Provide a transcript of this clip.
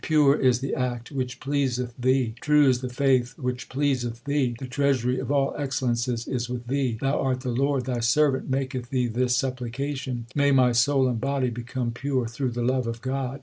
Pure is the act which pleaseth Thee ; True is the faith which pleaseth Thee. The treasury of all excellences is with Thee. Thou art the Lord, Thy servant maketh Thee this sup plication May my soul and body become pure through the love of God